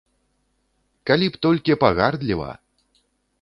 Калі б толькі пагардліва!